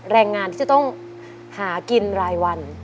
แรงงานที่จะต้องหากินรายวัน